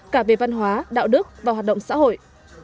cả về văn hóa đạo đức và hoạt động xã hội